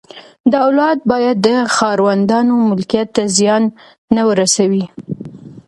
دولت باید د ښاروندانو ملکیت ته زیان نه ورسوي.